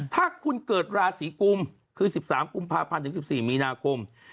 ถ้าคุณเกิดลาศรีกุมคือ๑๓กุมภาพ๒๐๑๔มีนาคม